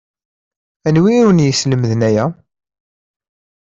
Anwi i wen-yeslemden aya?